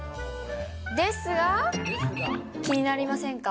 ですが、気になりませんか？